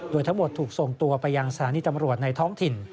โดยทั้งหมดถูกส่งตัวไปยังสถานีตำรวจในท้องถิ่น